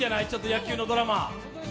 野球のドラマ。